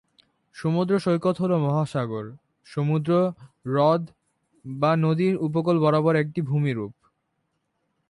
সমুদ্র সৈকত হল মহাসাগর, সমুদ্র, হ্রদ বা নদীর উপকূল বরাবর একটি ভূমিরূপ।